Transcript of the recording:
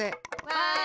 わい。